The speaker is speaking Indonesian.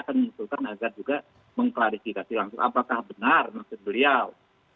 akan mengusulkan agar juga mengklarifikasi langsung apakah benar maksud beliau